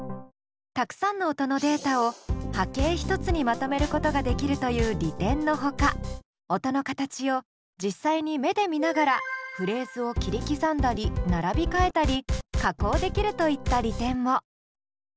たくさんの音のデータを波形１つにまとめることができるという利点のほか音の形を実際に目で見ながらフレーズを切り刻んだり並び替えたり加工できるといった利点も。